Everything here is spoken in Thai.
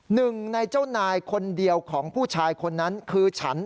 หนึ่งในเจ้านายคนเดียวของผู้ชายคนนั้นคือฉัน